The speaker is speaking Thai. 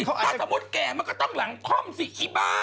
ถ้าสมมุติแก่มันก็ต้องหลังคล่อมสิอีบ้า